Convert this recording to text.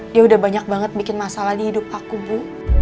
dia udah banyak banget bikin masalah di hidup aku bu